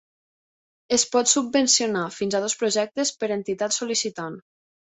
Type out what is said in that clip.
Es pot subvencionar fins a dos projectes per entitat sol·licitant.